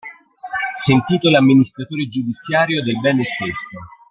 Sentito l'amministratore giudiziario del bene stesso.